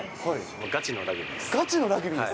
ガチのラグビーです。